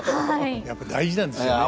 やっぱり大事なんですよね。